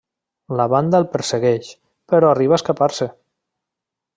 La banda el persegueix, però arriba a escapar-se.